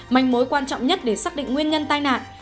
manh mối quan trọng nhất để xác định nguyên nhân tai nạn